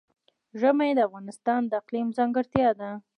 ژمی د افغانستان د اقلیم ځانګړتیا ده.